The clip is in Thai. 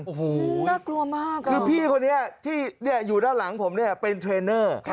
โอ้โหน่ากลัวมากคือพี่คนนี้ที่อยู่ด้านหลังผมเนี่ยเป็นเทรนเนอร์